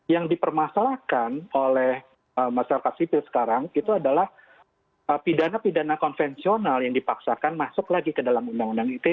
yang dipermasalahkan oleh masyarakat sipil sekarang itu adalah pidana pidana konvensional yang dipaksakan masuk lagi ke dalam undang undang ite